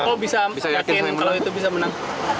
kalau bisa yakin kalau itu bisa menang